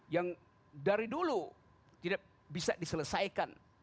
yang dari dulu tidak bisa diselesaikan